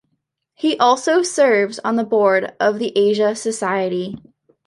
He also serves on the board of the Asia Society.